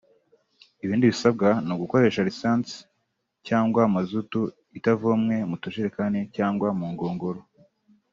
Ibindi basabwa ni ugukoresha lisansi cyangwa mazutu itavomwe mu tujerekani cyangwa mu ngunguru